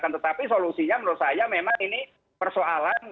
tetapi solusinya menurut saya memang ini persoalan